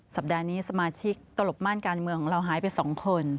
สัปดาห์นี้สมาชิกตลบม่านการเมืองของเราหายไป๒คน